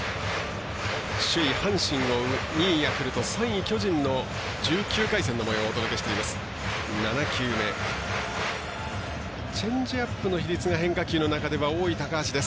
首位、阪神を追う２位、ヤクルト３位巨人の１９回戦のもようをお届けしています。